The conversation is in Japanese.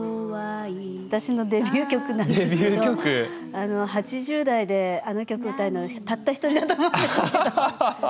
私のデビュー曲なんですけど８０代であの曲を歌えるのはたった一人だと思うんですけど。